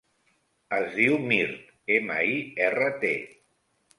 Es diu Mirt: ema, i, erra, te.